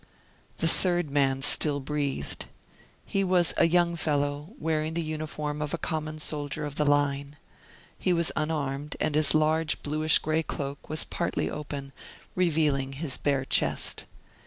The third man still breathed. He was a young fellow, wearing the uniform of a common soldier of the line. He was unarmed, and his large bluish gray cloak was partly open, revealing his bare chest.